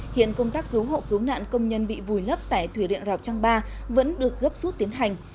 hiện công tác cứu hộ cứu nạn công nhân bị vùi lấp tại thủy điện rào trang ba vẫn được gấp rút tiến hành